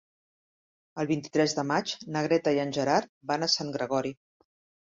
El vint-i-tres de maig na Greta i en Gerard van a Sant Gregori.